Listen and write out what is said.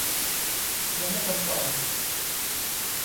ยังไม่ทันตอบ